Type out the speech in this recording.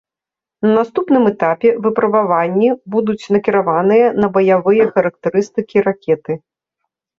На наступным этапе выпрабаванні будуць накіраваныя на баявыя характарыстыкі ракеты.